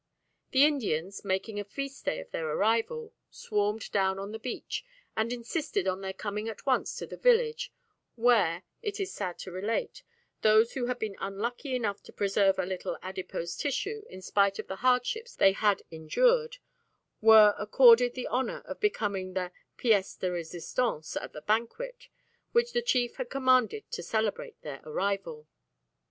The Indians, making a feast day of their arrival, swarmed down on the beach and insisted on their coming at once to the village, where, it is sad to relate, those who had been unlucky enough to preserve a little adipose tissue in spite of the hardships they had endured, were accorded the honour of becoming the "pièces de résistance" at the banquet which the chief had commanded to celebrate their arrival.